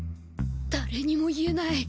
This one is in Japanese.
だれにも言えない。